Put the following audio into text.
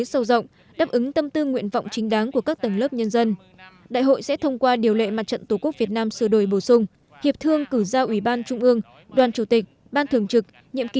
sâu rộng đáp ứng tâm tư nguyện vọng chính đáng của các tầng lớp nhân dân đại hội sẽ thông qua điều lệ mặt trận tổ quốc việt nam sửa đổi bổ sung hiệp thương cử giao ủy ban trung ương đoàn chủ tịch ban thường trực nhiệm kỳ hai nghìn một mươi ba hai nghìn hai mươi